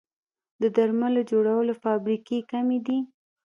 د درملو جوړولو فابریکې کمې دي